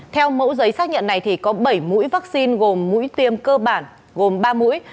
theo mẫu giấy xác nhận này có bảy mũi vaccine gồm mũi tiêm cơ bản gồm ba mũi